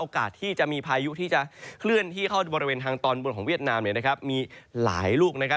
ที่จะมีพายุที่จะเคลื่อนที่เข้าบริเวณทางตอนบนของเวียดนามเนี่ยนะครับมีหลายลูกนะครับ